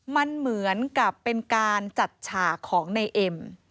มันเหมือนกับเป็นการจัดฉากของในเอ็ม